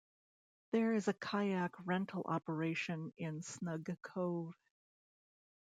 There is a kayak rental operation in Snug Cove.